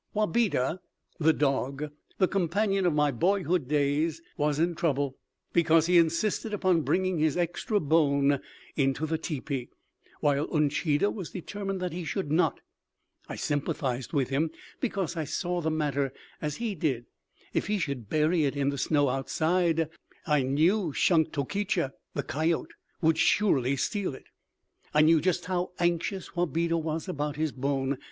Wabeda, the dog, the companion of my boyhood days, was in trouble because he insisted upon bringing his extra bone into the teepee, while Uncheedah was determined that he should not. I sympathized with him, because I saw the matter as he did. If he should bury it in the snow outside, I knew Shunktokecha (the coyote) would surely steal it. I knew just how anxious Wabeda was about his bone.